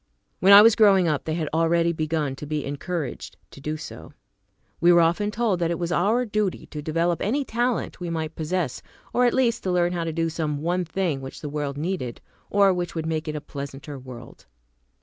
When I was growing up, they had already begun to be encouraged to do so. We were often told that it was our duty to develop any talent we might possess, or at least to learn how to do some one thing which the world needed, or which would make it a pleasanter world.